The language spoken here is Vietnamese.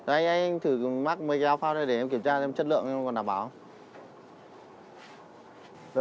anh thử mắc mấy cái áo phao này để kiểm tra xem chất lượng còn đảm bảo không